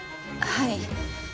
はい。